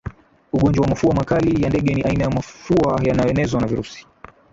Ugonjwa wa mafua makali ya ndege ni aina ya mafua yanayoenezwa na virusi